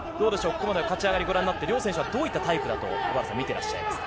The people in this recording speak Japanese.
ここまで勝ち上がりご覧になって、両選手はどういったタイプだと、小原さん、見ていらっしゃいますか。